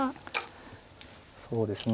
そうですね。